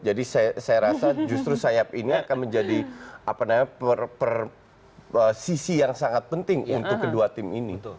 jadi saya rasa justru sayap ini akan menjadi sisi yang sangat penting untuk kedua tim ini